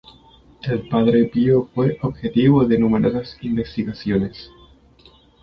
El padre Pío fue objeto de numerosas investigaciones.